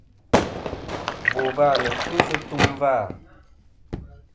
Bò vâ nɨn kɨŋ sɨ tum vâ.